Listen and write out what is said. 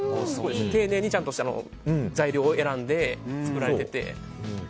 丁寧にちゃんと材料を選んで作られていて。